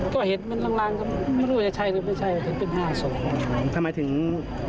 ก็เห็นมันลังไม่รู้ว่าใช่หรือไม่ใช่ถึงเป็น๕ส่วน